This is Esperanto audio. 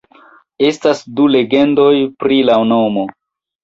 Estas du legendoj pri la nomo.